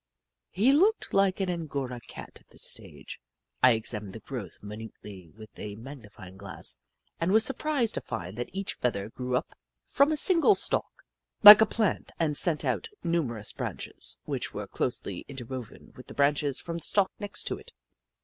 He looked like an Angora Cat at this stage. I examined the growth minutely with a magnifying glass and was surprised to find that each feather grew up 22 2 The Book of Clever Beasts from a single stalk, like a plant, and sent out numerous branches which were closely inter woven with the branches from the stalk next to it.